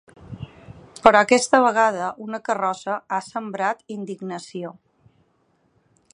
Però aquesta vegada, una carrossa ha sembrat indignació.